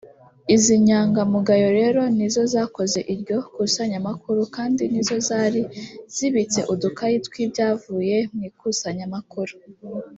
Izi nyangamugayo rero ni zo zakoze iryo kusanyamakuru kandi ni zo zari zibitse udukayi tw’ibyavuye mu ikusanyamakuru